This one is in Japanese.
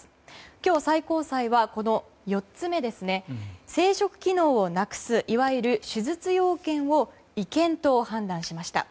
今日、最高裁は、この４つ目生殖機能をなくすいわゆる手術要件を違憲と判断しました。